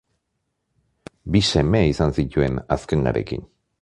Bi seme izan zituen azkenarekin.